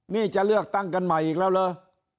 นี่จะเลือกตั้งกันใหม่อีกแล้วเหรอ